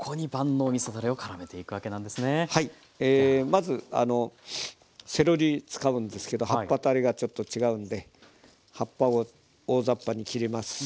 まずセロリ使うんですけど葉っぱとあれがちょっと違うので葉っぱを大ざっぱに切ります。